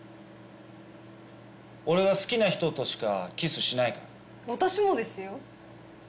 俺は好きな人としかキスしないから私もですよ